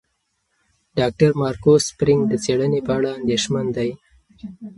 ډاکټر مارکو سپرینګ د څېړنې په اړه اندېښمن دی.